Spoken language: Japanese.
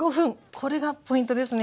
これがポイントですね。